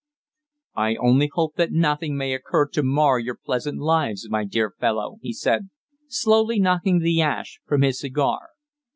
"I only hope that nothing may occur to mar your pleasant lives, my dear fellow," he said, slowly knocking the ash from his cigar.